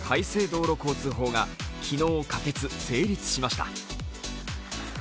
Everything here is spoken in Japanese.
道路交通法が昨日、可決・成立しました。